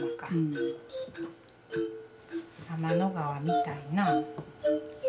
天の川見たいなあ。